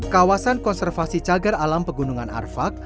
kawasan konservasi cagar alam pegunungan arfak